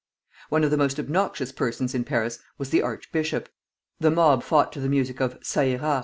One of the most obnoxious persons in Paris was the archbishop. The mob fought to the music of "Ça ira."